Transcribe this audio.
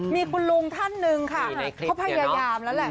มีคุณลุงท่านหนึ่งค่ะเขาพยายามแล้วแหละ